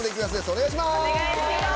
お願いします！